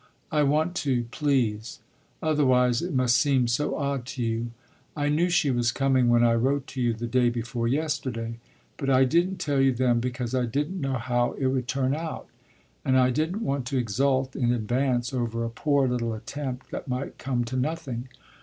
"I want to, please; otherwise it must seem so odd to you. I knew she was coming when I wrote to you the day before yesterday. But I didn't tell you then because I didn't know how it would turn out, and I didn't want to exult in advance over a poor little attempt that might come to nothing.